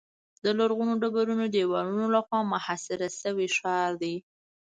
د لرغونو ډبرینو دیوالونو له خوا محاصره شوی ښار دی.